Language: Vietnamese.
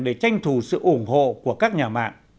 để tranh thủ sự ủng hộ của các nhà mạng